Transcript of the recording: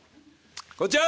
こんちは！